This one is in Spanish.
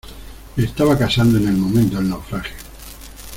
me estaba casando en el momento del naufragio.